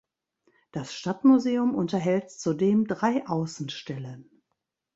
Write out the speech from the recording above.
Das Stadtmuseum unterhält zudem drei Außenstellen.